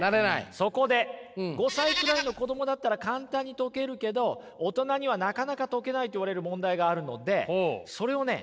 そこで５歳くらいの子供だったら簡単に解けるけど大人にはなかなか解けないといわれる問題があるのでそれをね